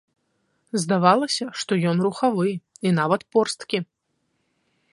Здавалася, што ён рухавы і нават порсткі.